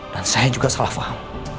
dan saya juga salah faham